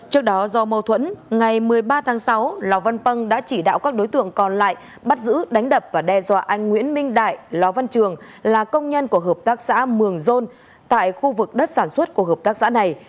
trước đó do mâu thuẫn ngày một mươi ba tháng sáu lò văn păng đã chỉ đạo các đối tượng còn lại bắt giữ đánh đập và đe dọa anh nguyễn minh đại lò văn trường là công nhân của hợp tác xã mường rôn tại khu vực đất sản xuất của hợp tác xã này